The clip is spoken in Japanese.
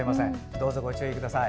どうぞご注意ください。